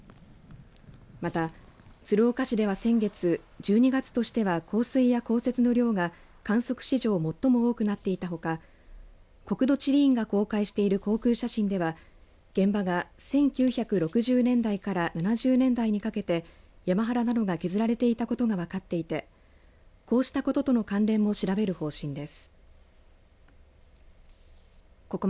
また、鶴岡市では先月１２月としては降水や降雪の量が観測史上最も多くなっていたほか国土地理院が公開している航空写真では現場が、１９６０年代から７０年代にかけて山肌などが削られていたことが分かっていてこうしたこととの関連も調べる方針です。